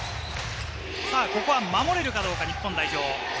ここは守れるかどうか、日本代表。